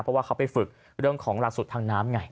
เพราะว่าเขาไปฝึกเรื่องของล่าสุดทางน้ำไง